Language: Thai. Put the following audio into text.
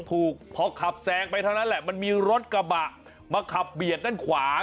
ถูกพอขับแซงไปเท่านั้นแหละมันมีรถกระบะมาขับเบียดด้านขวา